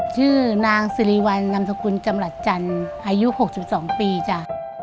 ชื่อนางสิริวัลนำสกุลจำหลัดจันทร์อายุ๖๒ปีจ้ะ